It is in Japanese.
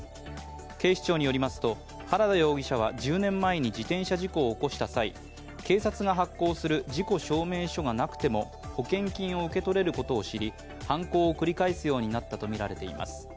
警視庁によりますと原田容疑者は１０年前に自転車事故を起こした際、警察が発行する事故証明書がなくても保険金を受け取れることを知り、犯行を繰り返すようになったとみられています。